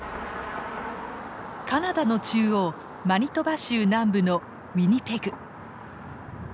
カナダの中央マニトバ州南部のウィニペグ。